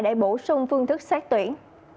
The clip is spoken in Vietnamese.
để bổ sung phương thức xét tuyển